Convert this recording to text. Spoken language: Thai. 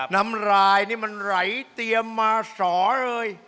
น้ำลายนี่มันไหลเตรียมมาสอเลย